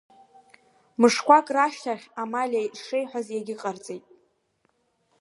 Мышқәак рышьҭахь, Амалиа ишреиҳәаз иагьыҟарҵеит.